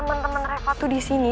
temen temen reva tuh disini